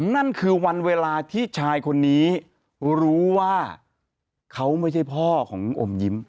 นั่นคือวันเวลาที่ชายคนนี้รู้ว่าเขาไม่ใช่พ่อของอมยิ้ม